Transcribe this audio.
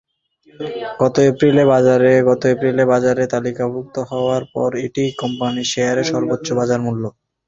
গত এপ্রিলে বাজারে তালিকাভুক্ত হওয়ার পর এটিই কোম্পানিটির শেয়ারের সর্বোচ্চ বাজারমূল্য।